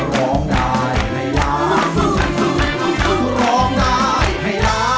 ร้องได้ในเพลงที่๒ค่ะ